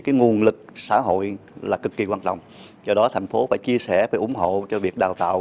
cái nguồn lực xã hội là cực kỳ quan trọng do đó thành phố phải chia sẻ và ủng hộ cho việc đào tạo